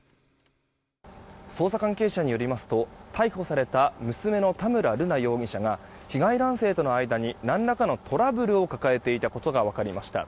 捜査関係者によりますと逮捕された娘の田村瑠奈容疑者が被害男性との間に何らかのトラブルを抱えていたことが分かりました。